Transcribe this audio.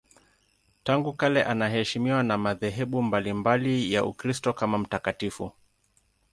Tangu kale anaheshimiwa na madhehebu mbalimbali ya Ukristo kama mtakatifu.